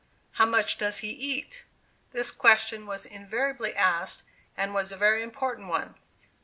"How much does he eat?" this question was invariably asked, and was a very important one.